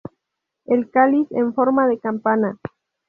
El cáliz en forma de campana.